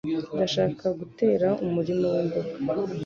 Ndashaka gutera umurima wimboga.